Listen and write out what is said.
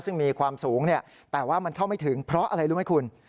ซึ่งมีความสูงแต่ว่ามันเข้าไม่ถึงเพราะอะไรรู้ไหมคุณ